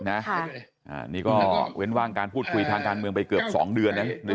นี่ก็เว้นว่างการพูดคุยทางการเมืองไปเกือบ๒เดือนนะ